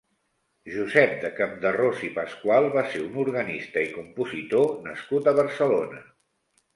Josep de Campderrós i Pascual va ser un organista i compositor nascut a Barcelona.